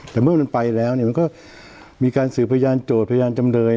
แต่เมื่อมันไปแล้วเนี่ยมันก็มีการสืบพยานโจทย์พยานจำเลย